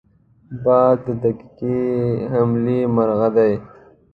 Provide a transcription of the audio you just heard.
باز د دقیقې حملې مرغه دی